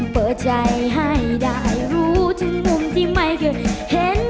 เปิดใจให้ได้รู้ถึงมุมที่ไม่เคยเห็น